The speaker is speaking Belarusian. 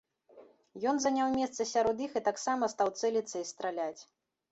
Ён заняў месца сярод іх і таксама стаў цэліцца і страляць.